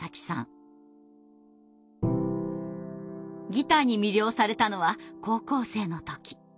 ギターに魅了されたのは高校生の時。